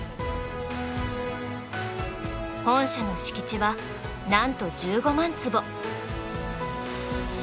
本社の敷地はなんと１５万坪。